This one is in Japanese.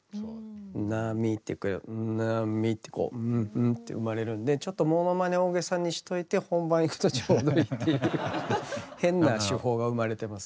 「なみ」っていうこれを「んなみ」ってこう「んん」って生まれるんでちょっとものまね大げさにしといて本番いくとちょうどいいっていう変な手法が生まれてます。